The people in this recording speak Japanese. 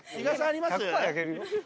１００％焼けるよ。